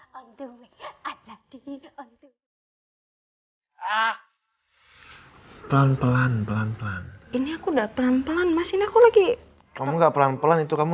pelan pelan pelan pelan ini aku udah pelan pelan masih aku lagi kamu nggak pelan pelan itu kamu